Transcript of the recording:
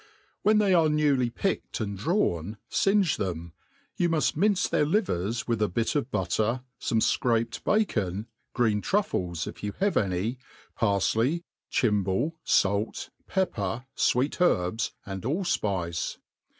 WrHEN they arc newly picked and, dfawh, fingc them: you muft mince their livers with* a bit of^buccer, fome . fcraped bacon, green truffles, if you l>ave any, parffey^ chim bo/, fait, pepper, fweet herbs, and all fpice.